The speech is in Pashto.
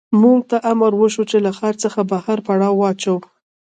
موږ ته امر وشو چې له ښار څخه بهر پړاو واچوو